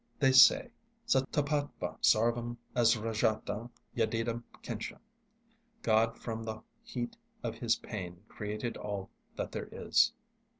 They say: Sa tapas tapatvá sarvam asrajata Yadidam kincha. (God from the heat of his pain created all that there is.)